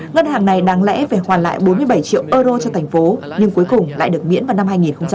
ngân hàng này đáng lẽ phải hoàn lại bốn mươi bảy triệu euro cho thành phố nhưng cuối cùng lại được miễn vào năm hai nghìn hai mươi